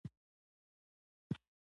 مګر سیندهیا عقیدې ته تغیر ورکړ.